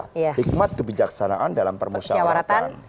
hikmat kebijaksanaan dalam permusyawaratan